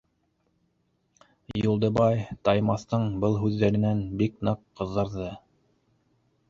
Юлдыбай Таймаҫтың был һүҙҙәренән бик ныҡ ҡыҙарҙы.